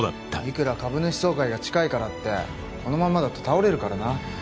いくら株主総会が近いからってこのままだと倒れるからな。